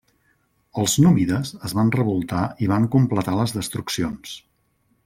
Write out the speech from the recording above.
Els númides es van revoltar i van completar les destruccions.